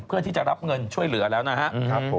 เพื่อที่จะรับเงินช่วยเหลือแล้วนะครับผม